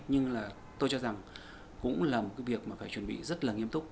nhưng là tôi cho rằng cũng là một cái việc mà phải chuẩn bị rất là nghiêm túc